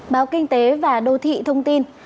báo kinh tế và đô thị thông tin